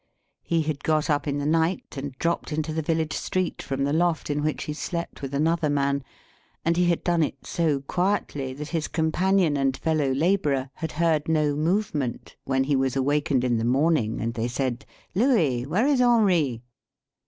He had got up in the night, and dropped into the village street from the loft in which he slept with another man; and he had done it so quietly, that his companion and fellow labourer had heard no movement when he was awakened in the morning, and they said, "Louis, where is Henri?"